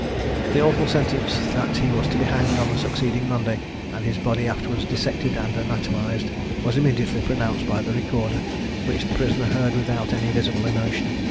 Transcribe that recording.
The awful sentence, that he was to be hanged on the succeeding Monday, and his body afterwards dissected and anatomized, was immediately pronounced by the recorder; which the prisoner heard without any visible emotion.